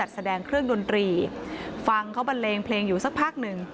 แสดงเครื่องดนตรีฟังเขาบันเลงเพลงอยู่สักพักหนึ่ง